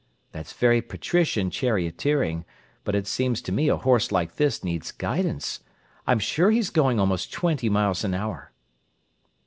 "That's very patrician charioteering, but it seems to me a horse like this needs guidance. I'm sure he's going almost twenty miles an hour."